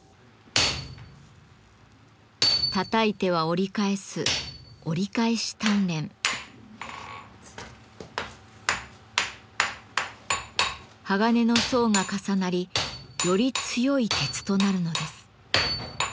たたいては折り返す鋼の層が重なりより強い鉄となるのです。